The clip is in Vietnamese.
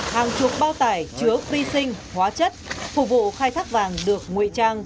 hàng chục bao tải chứa vi sinh hóa chất phục vụ khai thác vàng được nguy trang